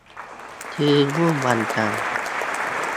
ซื้อหุ้นวันจันทร์